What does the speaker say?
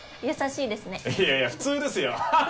いやいや普通ですよハハハ！